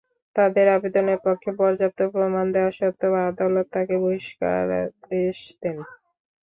তাঁদের আবেদনের পক্ষে পর্যাপ্ত প্রমাণ দেওয়া সত্ত্বেও আদালত তাঁদের বহিষ্কারাদেশ দেন।